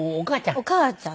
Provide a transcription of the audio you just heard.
お母ちゃん。